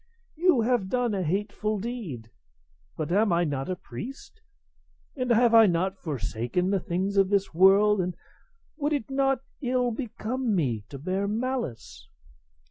You have done a hateful deed; but am I not a priest, and have I not forsaken the things of this world, and would it not ill become me to bear malice?